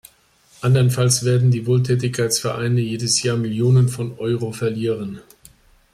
Andernfalls werden die Wohltätigkeitsvereine jedes Jahr Millionen von Euro verlieren.